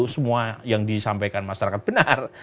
semua yang disampaikan masyarakat benar